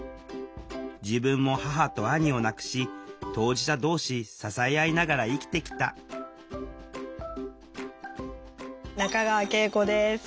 自分も母と兄を亡くし当事者同士支え合いながら生きてきた中川圭永子です。